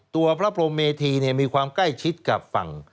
ตัวพระพรมเมธีมีความใกล้ชิดกับฝั่ง